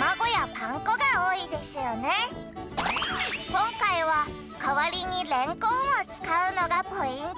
こんかいはかわりにれんこんを使うのがポイント！